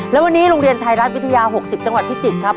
และวันนี้โรงเรียนไทยรัฐวิทยา๖๐จังหวัดพิจิตรครับ